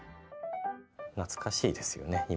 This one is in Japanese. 懐かしいですよね